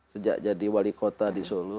sejak jadi wali kota di solo